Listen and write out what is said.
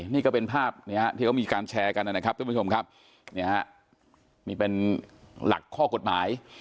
นี่ก็เป็นภาพที่เขามีการแชร์กันนะครับทุกผู้ชมครับนี่เป็นหลักข้อกฎหมาย